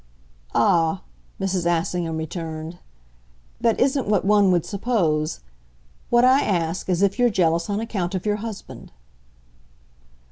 "Ah," Mrs. Assingham returned, "that isn't what one would suppose. What I ask is if you're jealous on account of your husband."